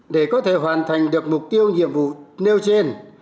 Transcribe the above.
để có thể hoàn thành được mục tiêu nhiệm vụ nêu trên